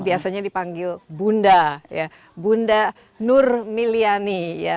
biasanya dipanggil bunda nur milyani